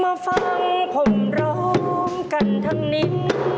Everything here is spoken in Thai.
มาฟังผมร้องกันทั้งนี้